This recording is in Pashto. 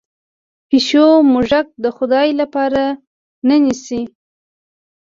پیشو موږک د خدای لپاره نه نیسي.